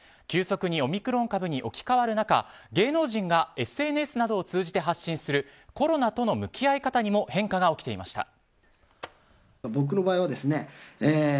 急速にオミクロン株に置き換わる中芸能人がＳＮＳなどを通じて発信するコロナとの向き合い方にも変化が起きていました。